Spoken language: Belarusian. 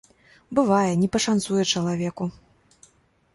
Бывае, не пашанцуе чалавеку.